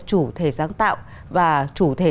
chủ thể sáng tạo và chủ thể